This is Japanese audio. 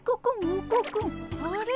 あれ？